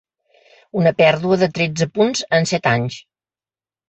Una pèrdua de tretze punts en set anys.